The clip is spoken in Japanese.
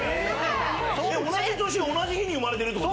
同じ年同じ日に生まれてるってこと？